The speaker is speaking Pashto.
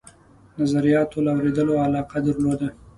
نظریاتو له اورېدلو علاقه درلوده.